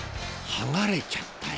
剥がれちゃったよ］